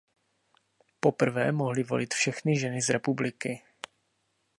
Poprvé mohli volit všechny ženy z republiky.